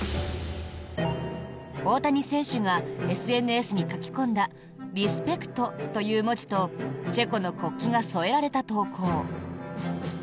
大谷選手がＳＮＳに書き込んだ「Ｒｅｓｐｅｃｔ」という文字とチェコの国旗が添えられた投稿。